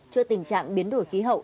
trước tình trạng biến đổi khí hậu